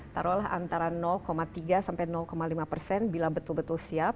taruhlah antara tiga sampai lima persen bila betul betul siap